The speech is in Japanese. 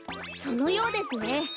そのようですね。